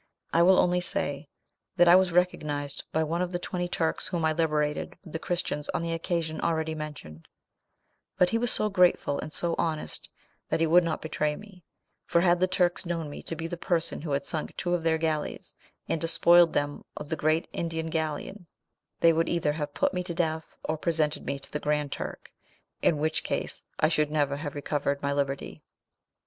I will only say, that I was recognised by one of the twenty Turks whom I liberated with the Christians on the occasion already mentioned; but he was so grateful and so honest, that he would not betray me, for had the Turks known me to be the person who had sunk two of their galleys, and despoiled them of the great Indian galleon, they would either have put me to death, or presented me to the Grand Turk, in which case I should never have recovered my liberty.